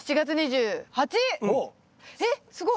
えっすごい。